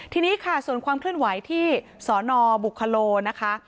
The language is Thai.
ทีนี้ค่ะส่วนความเคลื่อนไหวที่สนบุคโลนะคะ